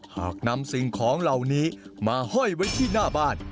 หากนำสิ่งของเหล่านี้มาห้อยไว้ที่หน้าบ้าน